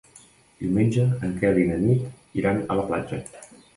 Diumenge en Quel i na Nit iran a la platja.